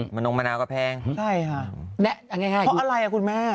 มะนงมะนาวก็แพงใช่ค่ะเอาดูง่ายคุณแม่